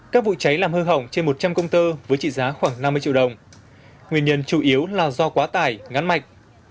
các vụ cháy làm hư hỏng trên một trăm linh công tơ với trị giá khoảng năm mươi triệu đồng nguyên nhân chủ yếu là do quá tải ngắn mạch